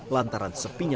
lantaran sepinya pedagangnya